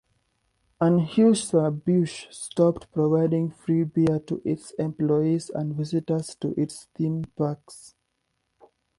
Anheuser-Busch stopped providing free beer to its employees and visitors to its theme parks.